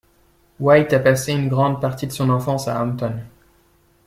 White a passé une grande partie de son enfance à Hampton.